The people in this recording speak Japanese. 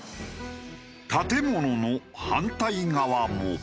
建物の反対側も。